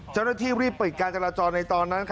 เจ้าหน้าที่รีบปิดการจราจรในตอนนั้น